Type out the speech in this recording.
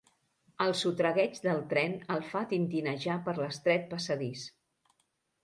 El sotragueig del tren el fa tentinejar per l'estret passadís.